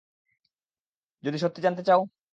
যদি সত্যি জানতে চাও?